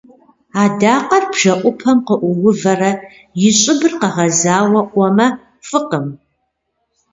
Адакъэр бжэӏупэм къыӏуувэрэ и щӏыбыр къэгъэзауэ ӏуэмэ, фӏыкъым.